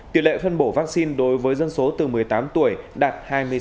tỷ lệ phân bổ vaccine đối với dân số từ một mươi tám tuổi đạt hai mươi sáu